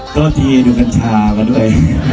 บางทีดูกัญชามาด้วย